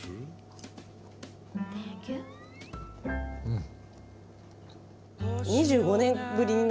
うん。